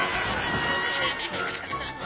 アハハハ！